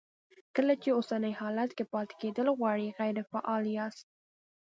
کله چې په اوسني حالت کې پاتې کېدل غواړئ غیر فعال یاست.